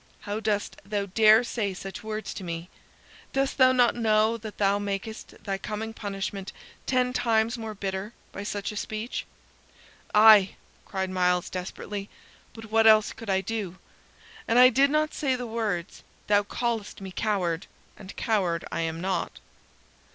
How dost thou dare say such words to me? Dost thou not know that thou makest thy coming punishment ten times more bitter by such a speech?" "Aye!" cried Myles, desperately; "but what else could I do? An I did not say the words, thou callest me coward, and coward I am not."